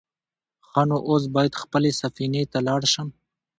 _ښه نو، اوس بايد خپلې سفينې ته لاړ شم.